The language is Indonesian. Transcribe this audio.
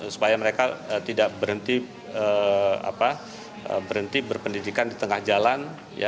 supaya mereka tidak berhenti berpendidikan di tengah jalan